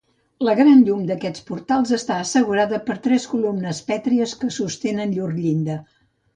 La gran llum d'aquests portals està assegurada per tres columnes pètries que sostenen llur llinda.